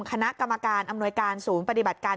คณะกรรมการอำนวยการศูนย์ปฏิบัติการ